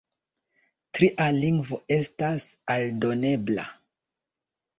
Tria lingvo estas aldonebla.